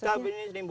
itu juga rp lima